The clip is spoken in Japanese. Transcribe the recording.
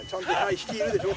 「引きいるでしょ？」